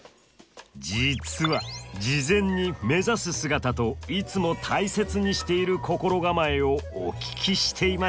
実は事前に「目指す姿」と「いつも大切にしている心構え」をお聞きしていました！